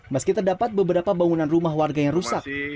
meski terdapat beberapa bangunan rumah warga yang rusak